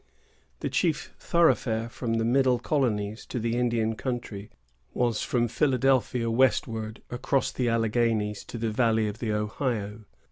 The chief thoroughfare from the middle colonies to the Indian country was from Philadelphia westward, across the Alleghanies, to the valley of the Ohio.